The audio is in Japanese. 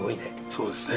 そうですね。